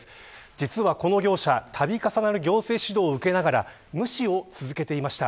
実は、この業者度重なる行政指導を受けながら無視を続けていました。